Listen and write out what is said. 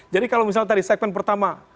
jadi kalau misalnya tadi segmen pertama